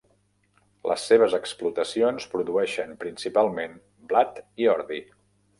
Les seves explotacions produeixen principalment blat i ordi.